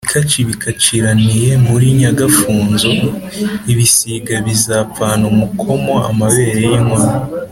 Ibikaci bikaciraniye muri Nyagafunzo, ibisiga bizapfana umukomo-Amabere y'inkumi.